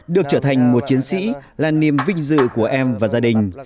được trở thành một chiến sĩ là niềm vinh dự của em và gia đình